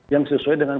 yang sesuai dengan